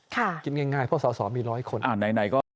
คิดง่ายเพราะสาวมี๑๐๐คน